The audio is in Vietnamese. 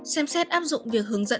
xem xét áp dụng việc hướng dẫn